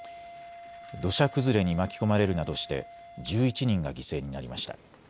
土砂崩れに巻き込まれるなどして１１人が犠牲になりました。